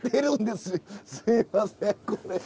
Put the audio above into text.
すいませんこれは。